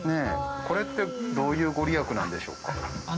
◆これって、どういうご利益なんでしょうか。